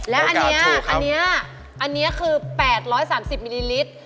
แล้วอันนี้อันนี้คือ๘๓๐มิลลิลิตร